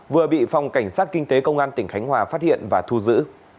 vừa bị phòng cảnh sát kinh tế công an tỉnh khánh hòa phát hiện và thu giữ